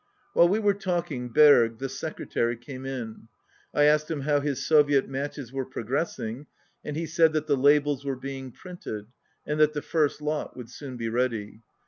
While we were talking Berg, the secretary, came in. I asked him how his Soviet matches were progressing, and he said that the labels were being printed and that the first lot would soon be ready.